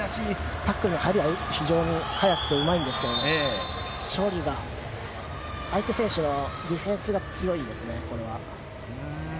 タックルの入りは早くてうまいんですけど処理が、相手の選手、ディフェンスが強いですね。